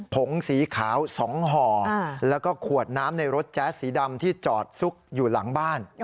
ผงสีขาว๒ห่อแล้วก็ขวดน้ำในรถแจ๊สสีดำที่จอดซุกอยู่หลังบ้าน